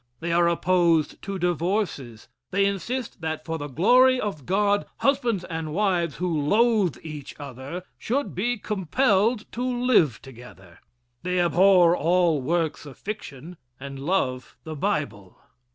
They are opposed to divorces. They insist that for the glory of God, husbands and wives who loathe each other should be compelled to live together. They abhor all works of fiction, and love the Bible.